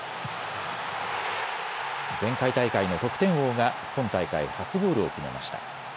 前回大会の得点王が今大会初ゴールを決めました。